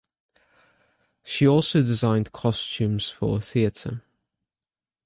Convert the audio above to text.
She also designed costumes for theatre.